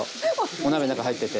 お鍋の中入ってて。